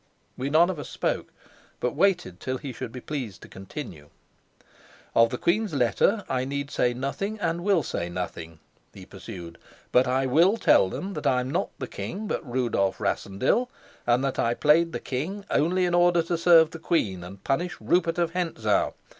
We none of us spoke, but waited till he should be pleased to continue. "Of the queen's letter I need say nothing and will say nothing," he pursued. "But I will tell them that I'm not the king, but Rudolf Rassendyll, and that I played the king only in order to serve the queen and punish Rupert of Hentzau.